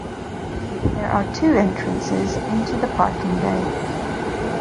There are two entrances into the parking bay.